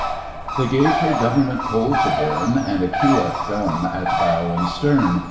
They gave her Government coal to burn, And a Q.F. gun at bow and stern.